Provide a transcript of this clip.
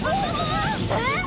えっ？